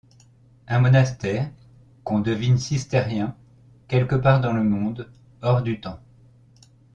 Un monastère, qu'on devine cistercien, quelque part dans le monde, hors du temps.